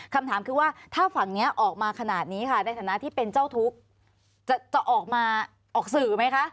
คำถามคือว่าถ้าฝั่งนี้ออกมาขนาดนี้ค่ะในฐานะที่เป็นเจ้าทุกข์จะออกมาออกสื่อไหมคะ